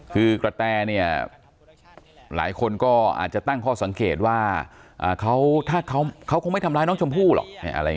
คือกระแตเนี่ยหลายคนก็อาจจะตั้งข้อสังเกตว่าถ้าเขาคงไม่ทำร้ายน้องชมพู่หรอก